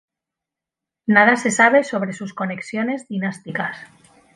Nada se sabe sobre sus conexiones dinásticas.